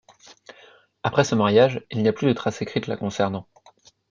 Après ce mariage, il n'y a plus de traces écrites la concernant.